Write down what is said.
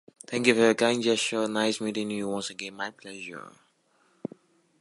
This word may refer to "Deva who is fixed" or "Deva who is foolish".